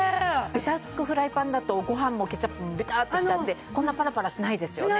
ベタつくフライパンだとご飯もケチャップもベターッてしちゃってこんなパラパラしないですよね。